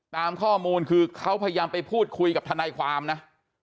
ตามข้อมูลคือเขาพยายามไปพูดคุยกับทนายความนะ